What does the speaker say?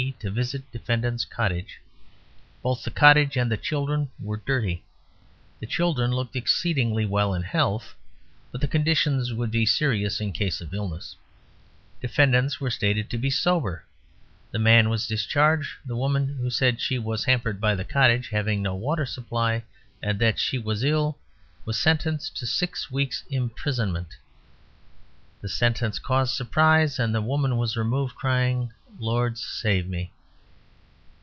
S.P.C.C. to visit defendants' cottage. Both the cottage and the children were dirty. The children looked exceedingly well in health, but the conditions would be serious in case of illness. Defendants were stated to be sober. The man was discharged. The woman, who said she was hampered by the cottage having no water supply and that she was ill, was sentenced to six weeks' imprisonment. The sentence caused surprise, and the woman was removed crying, 'Lord save me!'"